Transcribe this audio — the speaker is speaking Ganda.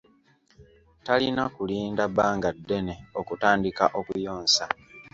Talina kulinda bbanga ddene okutandika okuyonsa.